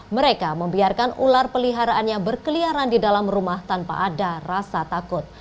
mereka membiarkan ular peliharaannya berkeliaran di dalam rumah tanpa ada rasa takut